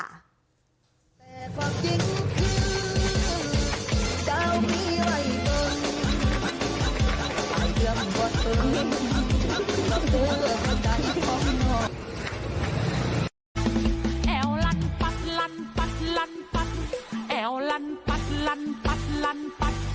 แอลันปัดลันปัดลันปัดแอวลันปัดลันปัดลันปัด